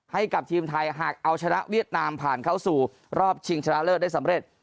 ให้กับทีมไทยหากเอาชนะเวียดนามผ่านเข้าสู่รอบชิงชนะเลิศได้สำเร็จ